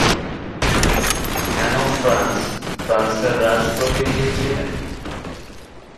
An of France ফ্রান্সের রাজপ্রতিনিধি ছিলেন।